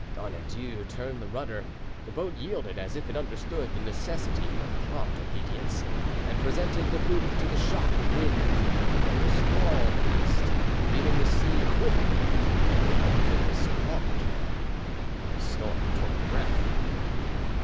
Donadieu turned the rudder, the boat yielded as if it understood the necessity for prompt obedience, and presented the poop to the shock of wind; then the squall passed, leaving the sea quivering, and everything was calm again. The storm took breath.